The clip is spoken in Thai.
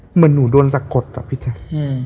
เหมือนหนูโดนสะกดอะพี่แจ๊ค